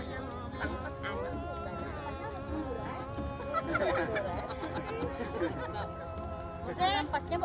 demi keganti tipe